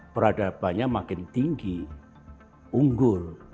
peradabannya makin tinggi unggul